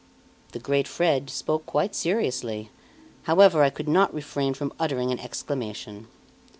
The great Fred spoke quite seriously. However, I could not refrain from uttering an exclamation.